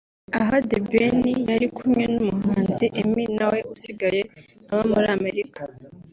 Aha The Ben yari kumwe n'umuhanzi Emmy nawe usigaye aba muri Amerika